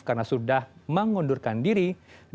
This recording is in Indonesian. karena sudah mengundurkan diri dari jabatan komite kebetulan